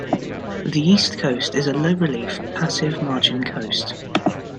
The East Coast is a low-relief, passive margin coast.